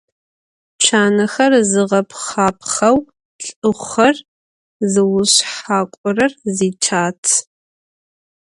Чаныхэр зыгъэпхъапхъэу лlыхъухэр зыушъхьакlурэр зичат